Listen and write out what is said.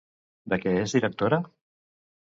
De què és directora?